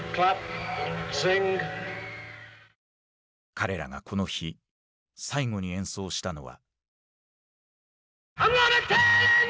彼らがこの日最後に演奏したのは。